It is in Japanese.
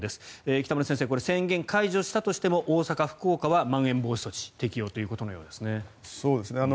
北村先生、宣言解除したとしても大阪、福岡はまん延防止措置適用ということのようですね。